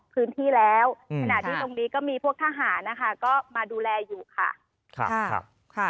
ขณะที่ตรงนี้ก็มีพวกทหารก็มาดูแลอยู่ค่ะ